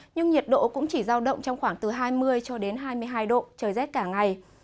nhưng nhiệt độ cũng chỉ giao động trong khoảng từ hai mươi cho đến hai mươi hai độ trời rét cả ngày